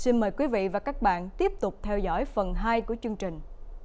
xin mời quý vị và các bạn tiếp tục theo dõi phần hai của chương trình